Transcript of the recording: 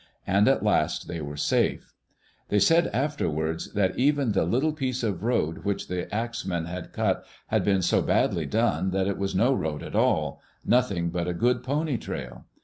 And at last they were safe. They said afterwards that even the little piece of road which the axe men had cut had been so badly done that it was no road at all — nothing but a good pony trail.